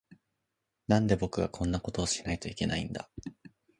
なんで、僕がこんなことをしないといけないんだ。